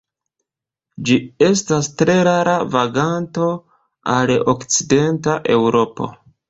Ĝi estas tre rara vaganto al okcidenta Eŭropo.